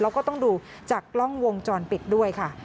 แล้วก็ต้องดูจากกล้องวงจรปิดด้วยค่ะ